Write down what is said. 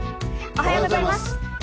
おはようございます。